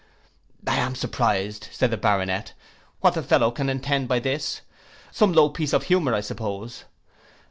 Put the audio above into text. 'I am surprised,' said the Baronet, 'what the fellow can intend by this. Some low piece of humour I suppose!